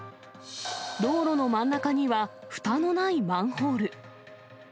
道路の真ん中にはふたのないマンホール。